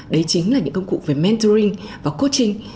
đấy chính là những công cụ về mentoring và coaching